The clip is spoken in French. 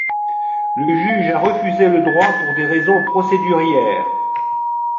Le juge a refusé le droit pour des raisons procédurières.